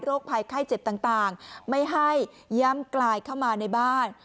ภัยไข้เจ็บต่างไม่ให้ย่ำกลายเข้ามาในบ้าน